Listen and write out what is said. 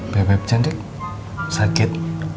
beb cantik sakit